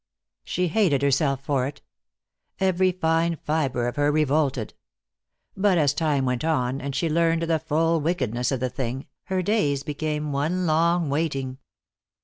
She hated herself for it. Every fine fiber of her revolted. But as time went on, and she learned the full wickedness of the thing, her days became one long waiting.